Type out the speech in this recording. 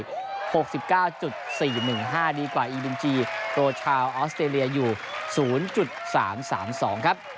หกสิบเก้าจุดสี่หนึ่งห้าดีกว่าอีบินจีโปรชาวออสเตรเลียอยู่ศูนย์จุดสามสามสองครับ